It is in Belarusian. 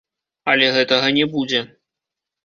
Але гэтага не будзе.